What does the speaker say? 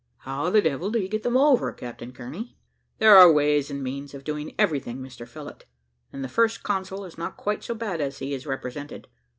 "How the devil do you get them over, Captain Kearney?" "There are ways and means of doing everything, Mr Phillott, and the First Consul is not quite so bad as he is represented.